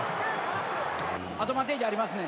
アドバンテージありますね。